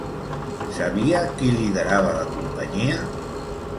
Sabia qui liderava la companyia?